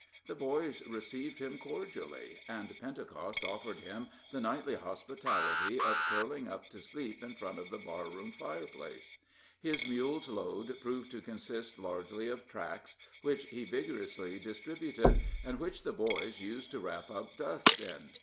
The boys received him cordially, and Pentecost offered him the nightly hospitality of curling up to sleep in front of the bar room fireplace. His mule's load proved to consist largely of tracts, which he vigorously distributed, and which the boys used to wrap up dust in.